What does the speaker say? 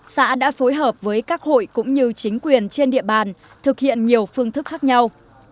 xã đã phối hợp với các hội cũng như chính quyền trên địa bàn thực hiện nhiều phương thức khác nhau